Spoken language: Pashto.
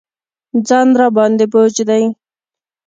ځان راباندې بوج دی.